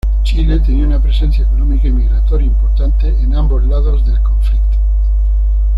Chile tenía una presencia económica y migratoria importante desde ambos lados en conflicto.